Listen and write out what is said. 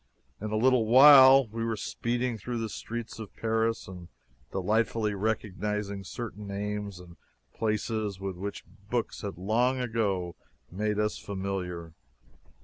In a little while we were speeding through the streets of Paris and delightfully recognizing certain names and places with which books had long ago made us familiar.